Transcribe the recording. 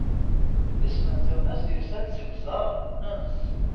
Isem n Tunes yusa-d seg uẓaṛ ens.